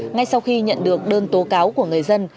ngay sau khi nhận được đơn tố cáo của người dân